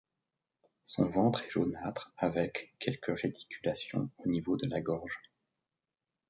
Son ventre est jaunâtre avec quelques réticulations au niveau de la gorge.